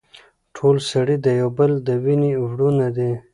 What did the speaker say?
ټول سړي د يو بل د وينې وروڼه دي.